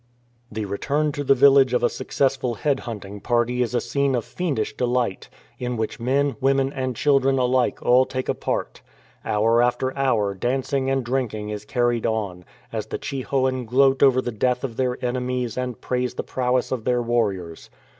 The return to the village of a successful head hunting party is a scene of fiendish delight, in which men, women, and children alike all take a part. Hour after hour danc ing and drinking is carried on, as the Chhi hoan gloat over the death of their enemies and praise the prowess of their warriors.